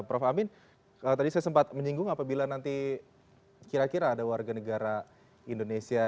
prof amin tadi saya sempat menyinggung apabila nanti kira kira ada warga negara indonesia